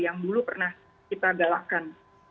yang dulu pernah kita galakkan